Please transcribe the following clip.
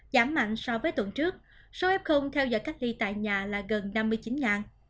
giảm mạnh so với tuần trước số f theo dõi cách ly tại nhà là gần năm mươi chín